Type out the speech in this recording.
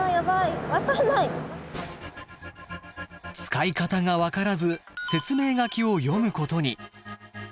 使い方が分からず説明書きを読むことに。